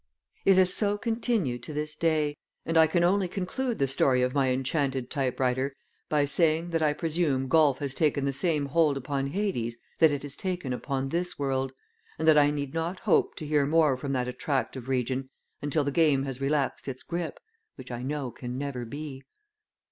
It has so continued to this day, and I can only conclude the story of my Enchanted Type writer by saying that I presume golf has taken the same hold upon Hades that it has upon this world, and that I need not hope to hear more from that attractive region until the game has relaxed its grip, which I know can never be.